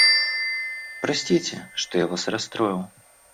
Простите, что я вас расстроил.